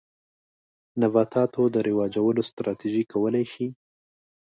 نباتاتو د رواجولو ستراتیژۍ کولای شي.